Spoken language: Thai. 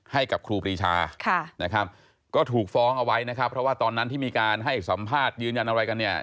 ให้กับครูปรีชานะครับก็ถูกฟ้องเอาไว้นะครับเพราะว่าตอนนั้นที่มีการให้สัมภาษณ์ยืนยันอะไรกันเนี่ย